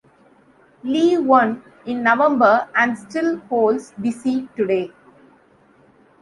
Lee won in November and still holds the seat today.